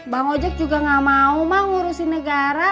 bang ojak juga gak mau emak ngurusin negara